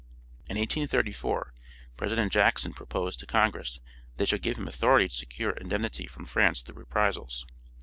In 1834 President Jackson proposed to Congress that they should give him authority to secure indemnity from France through reprisals.